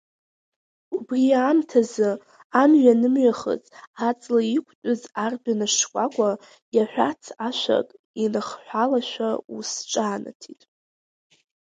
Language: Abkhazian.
Убри аамҭазы, амҩа нымҩахыҵ аҵла иқәтәаз ардәына шкәакәа иаҳәац ашәак инахҳәалашәа ус ҿаанаҭит…